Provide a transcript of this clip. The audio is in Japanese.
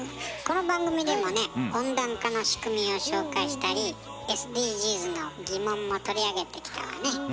この番組でもね温暖化の仕組みを紹介したりＳＤＧｓの疑問も取り上げてきたわね。